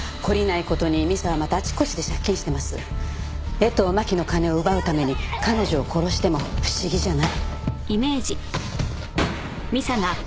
江藤真紀の金を奪うために彼女を殺しても不思議じゃない。